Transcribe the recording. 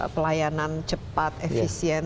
pelayanan cepat efisien